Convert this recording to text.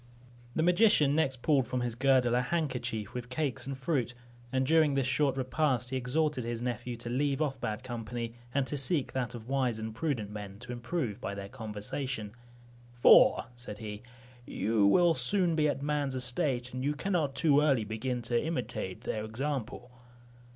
The magician next pulled from his girdle a handkerchief with cakes and fruit, and during this short repast he exhorted his nephew to leave off bad company, and to seek that of wise and prudent men, to improve by their conversation; "for," said he, "you will soon be at man's estate, and you cannot too early begin to imitate their example."